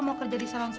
mau kerja di salon saya